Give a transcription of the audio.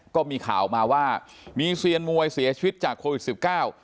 ก็มีข่าวออกมาว่ามีเซียนมวยเสียชีวิตจากโควิดสิบเก้า